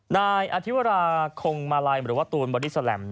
นายอธิวราคงมาลัยหรือว่าตูนบอดี้แลม